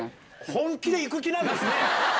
本気で行く気なんですね。